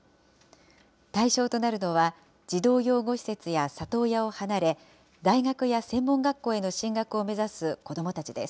対象となるのは、児童養護施設や里親を離れ、大学や専門学校への進学を目指す子どもたちです。